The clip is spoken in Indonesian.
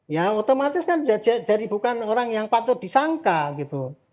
ya otomatis kan jadi bukan orang yang patut disangka gitu